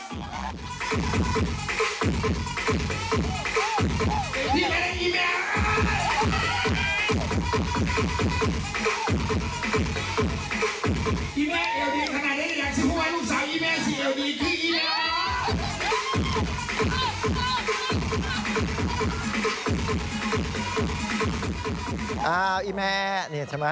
อย่างสุดมันลูกสาวอีแม่สี่เอาดีพี่อีแม่